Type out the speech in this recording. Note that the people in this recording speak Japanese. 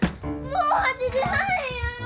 もう８時半や！